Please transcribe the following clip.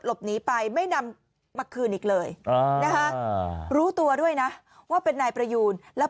หลบหนีไปไม่นำมาคืนอีกเลยนะฮะรู้ตัวด้วยนะว่าเป็นนายประยูนแล้ว